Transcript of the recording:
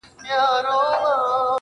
د تورو سترگو وه سورخۍ ته مي,